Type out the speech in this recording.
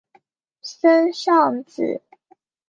森尚子。